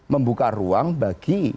membuka ruang bagi